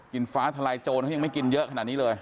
ฟ้าทลายโจรเขายังไม่กินเยอะขนาดนี้เลย